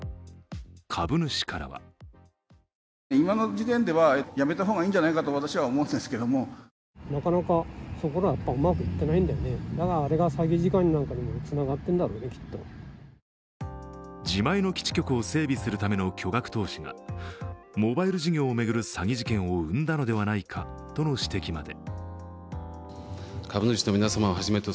株主からは自前の基地局を整備するための巨額投資がモバイル事業を巡る詐欺事件を生んだのではないかとの指摘まで。